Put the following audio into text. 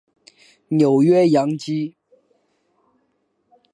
纽约洋基